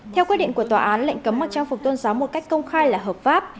theo quyết định của tòa án lệnh cấm mặc trang phục tôn giáo một cách công khai là hợp pháp